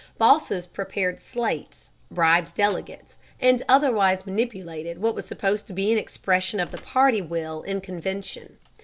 Bosses prepared "slates," bribed delegates, and otherwise manipulated what was supposed to be an expression of the party will in convention.